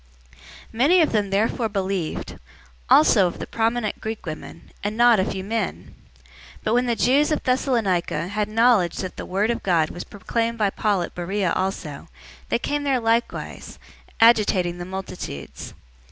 017:012 Many of them therefore believed; also of the prominent Greek women, and not a few men. 017:013 But when the Jews of Thessalonica had knowledge that the word of God was proclaimed by Paul at Beroea also, they came there likewise, agitating the multitudes.